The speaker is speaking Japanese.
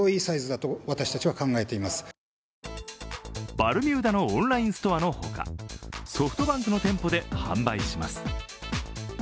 バルミューダのオンラインストアのほか、ソフトバンクの店舗で販売します。